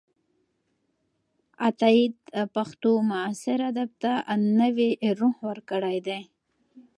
عطاييد پښتو معاصر ادب ته نوې روح ورکړې ده.